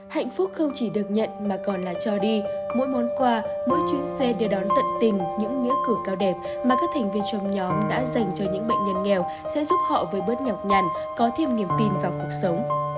hạnh phúc không chỉ được nhận mà còn là cho đi mỗi món quà mỗi chuyến xe đưa đón tận tình những nghĩa cử cao đẹp mà các thành viên trong nhóm đã dành cho những bệnh nhân nghèo sẽ giúp họ với bớt nhọc nhằn có thêm niềm tin vào cuộc sống